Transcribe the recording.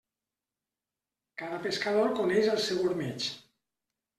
Cada pescador coneix el seu ormeig.